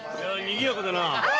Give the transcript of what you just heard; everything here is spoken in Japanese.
にぎやかだな。